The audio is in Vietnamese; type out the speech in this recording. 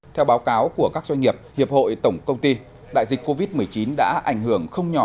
theo báo cáo của các doanh nghiệp hiệp hội tổng công ty đại dịch covid một mươi chín đã ảnh hưởng không nhỏ